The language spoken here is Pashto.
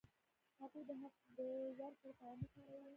هغوی د حق د ورکړې توان نه کاراوه.